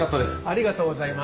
ありがとうございます。